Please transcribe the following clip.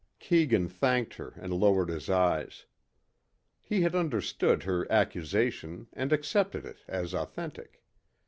Keegan thanked her and lowered his eyes. He had understood her accusation and accepted it as authentic.